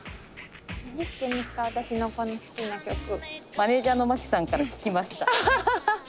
マネージャーの牧さんから聞きました。